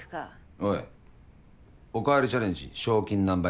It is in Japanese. おいおかわりチャレンジ賞金何倍だ？